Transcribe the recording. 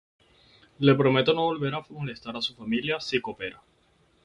Le promete no volver a molestar a su familia si coopera.